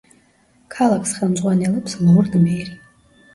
ქალაქს ხელმძღვანელობს ლორდ-მერი.